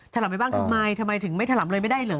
ถล่ำไปบ้างทำไมทำไมถึงไม่ถล่ำเลยไม่ได้เหรอ